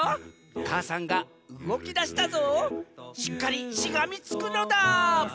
母山がうごきだしたぞしっかりしがみつくのだ！